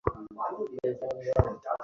যখন এক-একা থাকবে তখন চেষ্টা করবে।